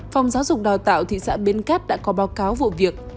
phòng giáo dục đào tạo thị xã biên cát đã có báo cáo vụ việc